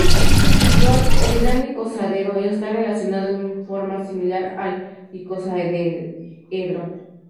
Su dual, el gran icosaedro, está relacionado en un forma similar al icosaedro.